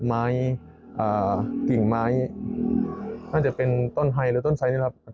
ไม้อ่าติ่งไม้อืมน่าจะเป็นต้นไทยหรือต้นใสเนี่ยครับ